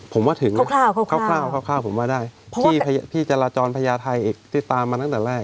ผมว่าถึงคร่าวคร่าวผมว่าได้พี่จราจรพญาไทยอีกที่ตามมาตั้งแต่แรก